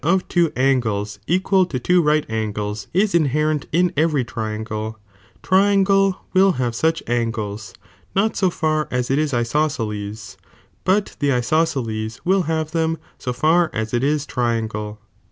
of two angles equal to two right angles is inhe rent in every triangle, triangle will have suck angles, not so far as it is isosceles, but the isosceles will have them, so far as it is triangle.